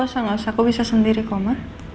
usah ngusah aku bisa sendiri koma